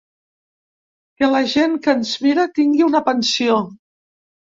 Que la gent que ens mira tingui una pensió.